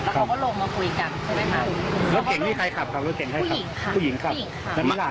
จอดมาเพื่อที่จะเปิดประตูให้ผู้หญิงลงมาคุยด้วยอยู่บ้าง